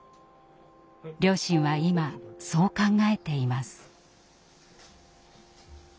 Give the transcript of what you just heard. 両親は今そう考えています。